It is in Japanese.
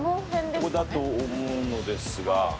ここだと思うのですが何か。